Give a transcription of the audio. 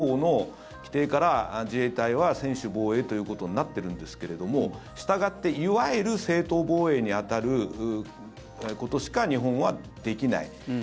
これは日本の憲法の規定から自衛隊は専守防衛ということになってるんですけれどもしたがって、いわゆる正当防衛に当たることしか日本はできない。